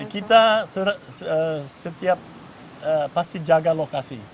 kita setiap pasti jaga lokasi